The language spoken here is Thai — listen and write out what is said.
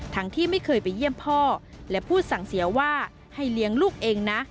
ที่ไม่เคยไปเยี่ยมพ่อและพูดสั่งเสียว่าให้เลี้ยงลูกเองนะ